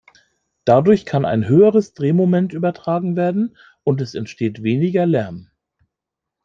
Dadurch kann ein höheres Drehmoment übertragen werden und es entsteht weniger Lärm.